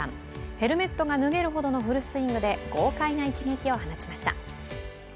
ヘルメットが脱げるほどのフルスイングで豪快な一撃を放ちました。